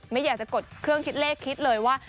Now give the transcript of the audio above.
ไม่อยากจะกดเครื่องคิดเลขคิดเลยว่า